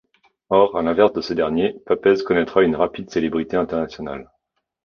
Or, à l'inverse de ce dernier, Papez connaîtra une rapide célébrité internationale.